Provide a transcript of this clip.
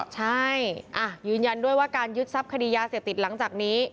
ใช่ยืนยันด้วยว่าการยึดทรัพย์คดียาเสพติดหลังจากนี้